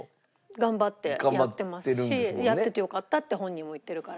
頑張ってやってますし「やっててよかった」って本人も言ってるから。